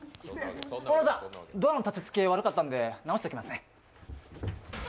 小野さん、ドアの建て付け悪かったんで直しておきますね。